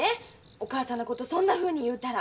お母さんのことそんなふうに言うたら。